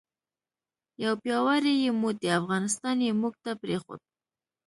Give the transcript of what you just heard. یو پیاوړی یو موټی افغانستان یې موږ ته پرېښود.